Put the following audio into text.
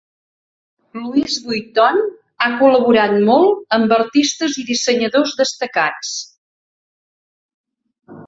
Louis Vuitton ha col·laborat molt amb artistes i dissenyadors destacats.